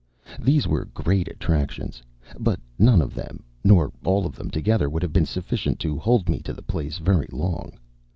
These were great attractions; but none of them, nor all of them together, would have been sufficient to hold me to the place very long.